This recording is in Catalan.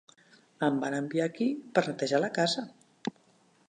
Em van enviar aquí per netejar la casa.